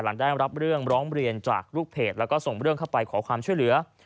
หลังได้รับเรื่องร้องเรียนจากลูกเพจแล้วก็ส่งเรื่องเข้าไปขอความช่วยเหลือ